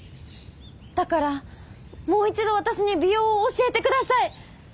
だからもう一度私に美容を教えてください！